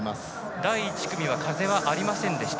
第１組は風はありませんでした。